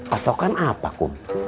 patokan apa kum